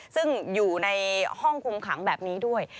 ซึ่งอยู่ในห้องคุมขังแบบนี้ด้วย